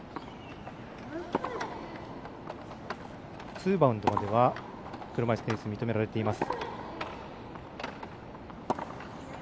ツーバウンドまでは車いすテニス、認められています。